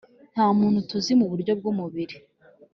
Nta muntu tuzi mu buryo bw umubiri